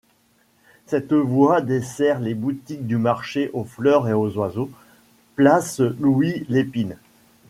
Cette voie dessert les boutiques du Marché aux fleurs et aux oiseaux, place Louis-Lépine.